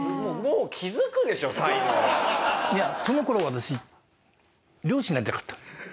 いやその頃私漁師になりたかった。